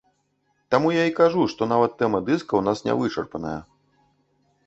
Таму я і кажу, што нават тэма дыска ў нас не вычарпаная.